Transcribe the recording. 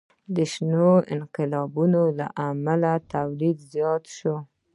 د شنه انقلاب له امله تولید زیات شو.